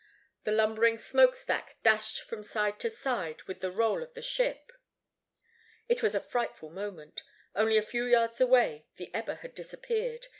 The lumbering smoke stack dashed from side to side with the roll of the ship. It was a frightful moment. Only a few yards away the Eber had disappeared.